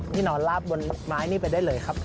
นอนลาบบนไม้นี่ไปได้เลยครับ